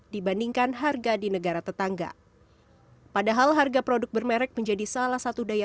dibandingkan harga di negara tetangga padahal harga produk bermerek menjadi salah satu daya